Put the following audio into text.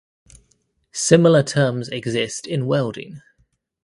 Similar terms exist in welding.